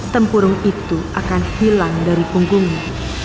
tempurung itu akan hilang dari punggungnya